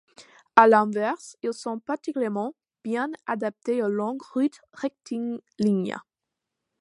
À l'inverse, ils sont particulièrement bien adaptés aux longues routes rectilignes.